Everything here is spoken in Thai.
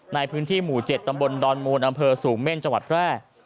ในพื้นที่หมู่๗ตำบลดอนมูลอำเภอสูงเม่นจังหวัดแพร่